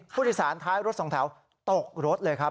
ผู้โดยสารท้ายรถสองแถวตกรถเลยครับ